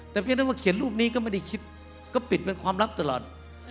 แต่เพียงแต่ว่าเขียนรูปนี้ก็ไม่ได้คิดก็ปิดเป็นความลับตลอด